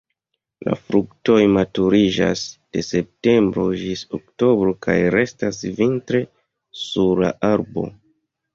La fruktoj maturiĝas de septembro ĝis oktobro kaj restas vintre sur la arbo.